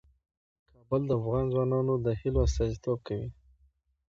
کابل د افغان ځوانانو د هیلو استازیتوب کوي.